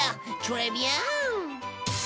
トレビアン！